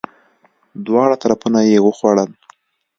دواړه طرفونه یی وخوړل!